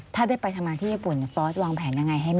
ถ้าได้ไปทำงานที่ญี่ปุ่นฟอสวางแผนยังไงให้แม่